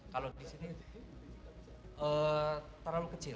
kalau di sini terlalu kecil